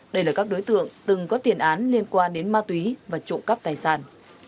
đây là các đối tượng từng có tiền án liên quan đến ma túy và trộm cắp tài sản